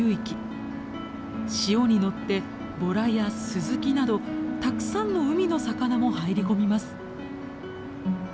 潮に乗ってボラやスズキなどたくさんの海の魚も入り込みます。